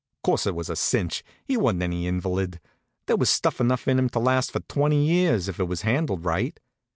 Course, it was a cinch. He wa'n't any invalid. There was stuff enough in him to last for twenty years, if it was handled right.